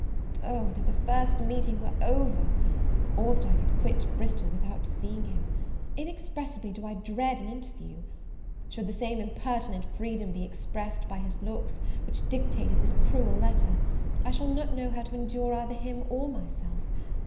Oh that the first meeting were over! or that I could quit Bristol without seeing him! inexpressibly do I dread an interview! Should the same impertinent freedom be expressed by his looks, which dictated this cruel letter, I shall not know how to endure either him or myself.